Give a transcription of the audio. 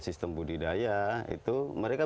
sistem budidaya itu mereka